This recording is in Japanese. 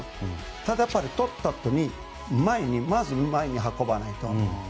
ただ、とったあとに前にまず運ばないと。